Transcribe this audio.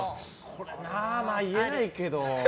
まあ言えないけど。